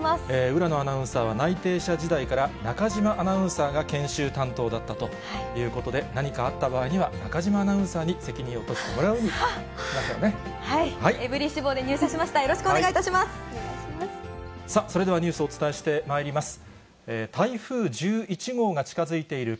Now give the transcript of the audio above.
浦野アナウンサーは内定者時代から、中島アナウンサーが研修担当だったということで、何かあった場合には、中島アナウンサーに責任を取ってもらうようになってるね。